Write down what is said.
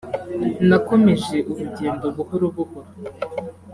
nakomeje urugedno buhoro buhoro